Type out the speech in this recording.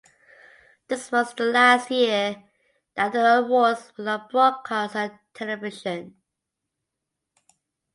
This was the last year that the awards were not broadcast on television.